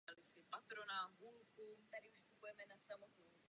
Rozšiřováním schengenského prostoru posilujeme právě aspekt evropského občanství.